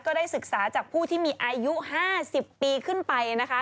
ได้ศึกษาจากผู้ที่มีอายุ๕๐ปีขึ้นไปนะคะ